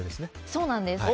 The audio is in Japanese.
そうなんです。